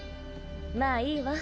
まぁいいわ。